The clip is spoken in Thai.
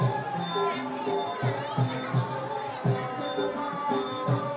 การทีลงเพลงสะดวกเพื่อความชุมภูมิของชาวไทย